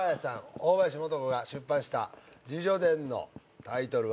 大林素子が出版した自叙伝のタイトルは？